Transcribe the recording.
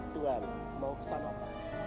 tuhan mau pesan apa